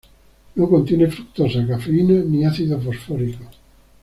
No contiene fructosa, cafeína ni ácido fosfórico.